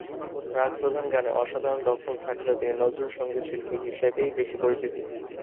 রাগ প্রধান গানে অসাধারণ দখল থাকলেও তিনি নজরুল-সঙ্গীতশিল্পী হিসেবেই বেশি পরিচিত।